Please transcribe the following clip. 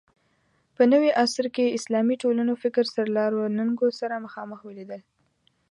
په نوي عصر کې اسلامي ټولنو فکر سرلارو ننګونو سره مخامخ ولیدل